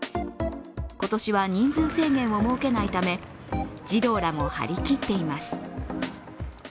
今年は人数制限を設けないため児童たちも張り切っています。